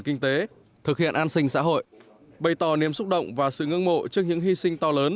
kinh tế thực hiện an sinh xã hội bày tỏ niềm xúc động và sự hương mộ trước những hy sinh to lớn